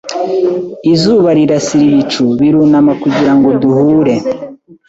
izuba rirasira ibicu birunama Kugira ngo duhure